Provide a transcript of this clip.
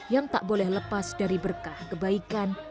yang tak boleh lepas dari berkah kebaikan